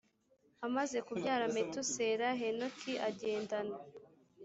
amaze kubyara metusela henoki agendana